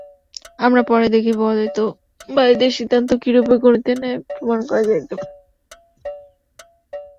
আমরা পরে দেখিব, অদ্বৈতবাদীদের সিদ্ধান্ত কিরূপে গণিতের ন্যায় প্রমাণ করা যাইতে পারে।